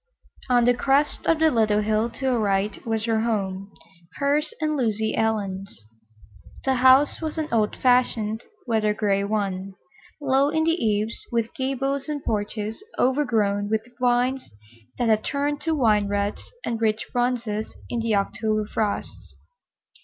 On the crest of the little hill to her right was her home—hers and Lucy Ellen's. The house was an old fashioned, weather gray one, low in the eaves, with gables and porches overgrown with vines that had turned to wine reds and rich bronzes in the October frosts.